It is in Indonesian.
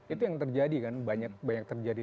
itu yang terjadi kan banyak banyak terjadi